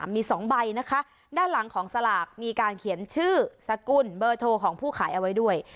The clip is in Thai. มี๒ใบนะคะด้านหลังของสลากมีการเขียนชื่อสกุลเบอร์โทรของผู้ขายเอาไว้ด้วย